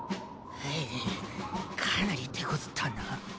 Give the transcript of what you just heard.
ふうかなり手こずったな。